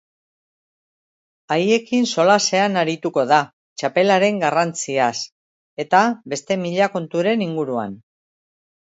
Haiekin solasean arituko da txapelaren garrantziaz, eta beste mila konturen inguruan.